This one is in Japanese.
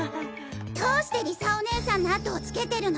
どうして理沙お姉さんの後をつけてるの？